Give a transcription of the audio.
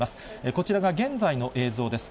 こちらが現在の映像です。